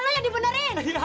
apa lu yang dibenerin